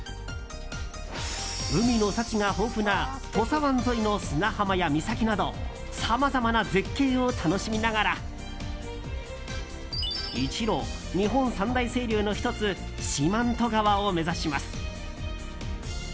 海の幸が豊富な土佐湾沿いの砂浜や岬などさまざまな絶景を楽しみながら一路、日本三大清流の１つ四万十川を目指します。